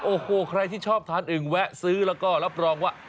โอ้โหใครที่ชอบทานอึ่งแวะซื้อแล้วก็รับรองว่า